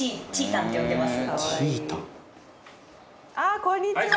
ああこんにちは！